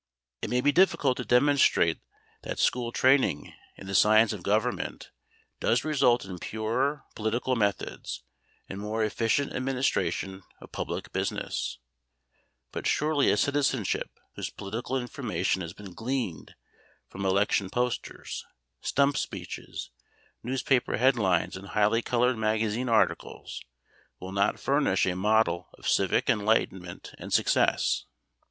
It may be difficult to demonstrate that school training in the science of Government does result in purer political methods and more efficient administration of public business, but surely a citizenship whose political information has been gleaned from election posters, stump speeches, newspaper head lines, and highly colored magazine articles will not furnish a model of civic enlightenment and success.